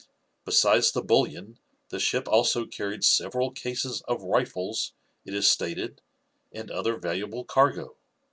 Besides the bullion the ship also carried several cases of rifles, it is stated, and other valuable cargo.